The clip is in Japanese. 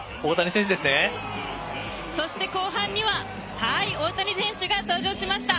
そして、後半は大谷選手が登場しました！